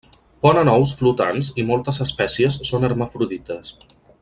Ponen ous flotants i moltes espècies són hermafrodites.